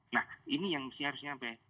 nah ini yang harusnya sampai